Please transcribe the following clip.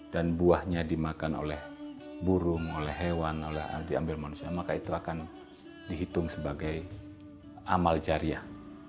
dan buahnya dimakan oleh burung oleh hewan diambil manusia maka itu akan dihitung sebagai amal jariah